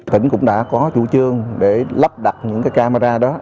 tỉnh cũng đã có chủ trương để lắp đặt những cái camera đó